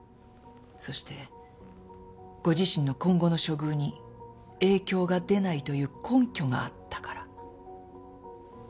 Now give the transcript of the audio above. そしてご自身の今後の処遇に影響が出ないという根拠があったから。